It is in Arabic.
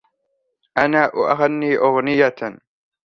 أنا أغني أغنيةً.